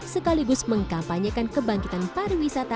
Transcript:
sekaligus mengkampanyekan kebangkitan pariwisata